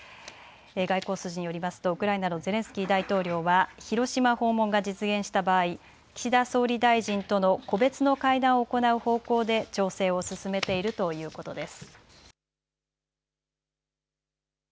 外交筋によりますとウクライナのゼレンスキー大統領は広島訪問が実現した場合、岸田総理大臣との個別の会談を行う方向で調整を進めているということです。